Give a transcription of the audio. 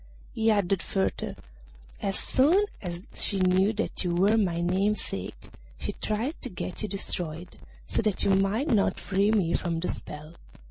He added further, 'As soon as she knew that you were my namesake she tried to get you destroyed, so that you might not free me from the spell.